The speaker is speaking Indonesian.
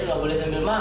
nggak boleh sambil makan